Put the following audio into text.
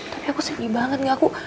tapi aku sedih banget